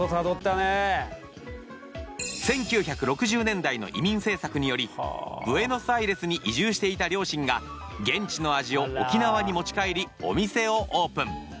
１９６０年代の移民政策によりブエノスアイレスに移住していた両親が現地の味を沖縄に持ち帰りお店をオープン。